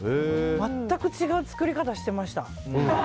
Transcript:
全く違う作り方をしていました。